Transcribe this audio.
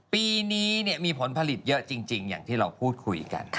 ปีนี้มีผลผลิตเยอะจริงอย่างที่เราพูดคุยกัน